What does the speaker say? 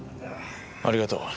ありがとう。